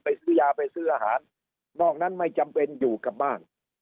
ซื้อยาไปซื้ออาหารนอกนั้นไม่จำเป็นอยู่กับบ้าน